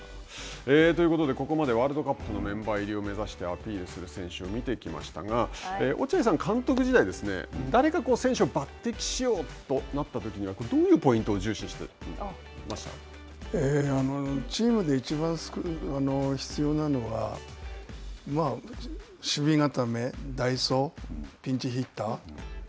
ということでワールドカップのメンバー入りを目指してアピールする選手を見てきましたが、落合さん、監督時代ですね、誰か選手を抜てきしようとなったときには、どういうポイントを重視してましチームでいちばん必要なのは、守備固め、代走、ピンチヒッター。